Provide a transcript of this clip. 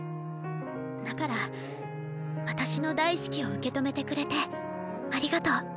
だから私の大好きを受け止めてくれてありがとう。